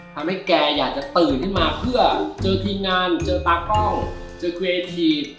ทำให้แกอยากจะตื่นขึ้นมาเพื่อเจอทีนานเจอตากล้องเจอควีเอทีศ